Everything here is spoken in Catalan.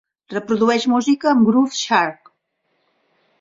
Reprodueix música amb Groove Shark.